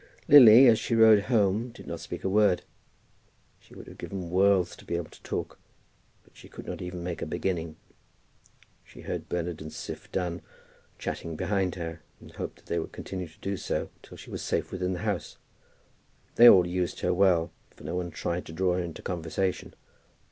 Lily, as she rode home, did not speak a word. She would have given worlds to be able to talk, but she could not even make a beginning. She heard Bernard and Siph Dunn chatting behind her, and hoped that they would continue to do so till she was safe within the house. They all used her well, for no one tried to draw her into conversation.